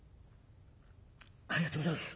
「ありがとうごぜえやす。